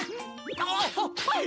あっははい！